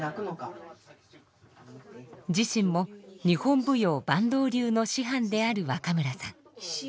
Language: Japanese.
自身も日本舞踊坂東流の師範である若村さん。